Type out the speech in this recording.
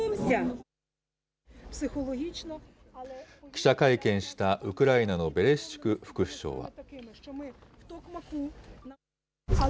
記者会見したウクライナのベレシチュク副首相は。